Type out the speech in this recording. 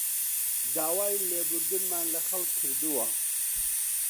داوای لێبوردنمان لە خەڵک کردووە